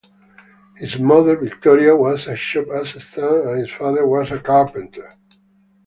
His mother, Victoria, was a shop assistant and his father was a carpenter.